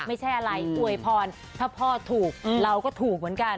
ไม่ใช่อะไรอวยพรถ้าพ่อถูกเราก็ถูกเหมือนกัน